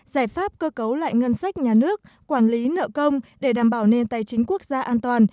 giải pháp cơ cấu lại ngân sách nhà nước quản lý nợ công để đảm bảo nền tài chính quốc gia an toàn